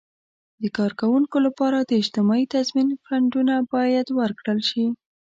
د کارکوونکو لپاره د اجتماعي تضمین فنډونه باید ورکړل شي.